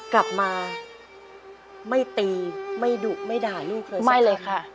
กลับมาไม่ตีไม่ดุไม่ด่าลูกเลยไม่เลยค่ะ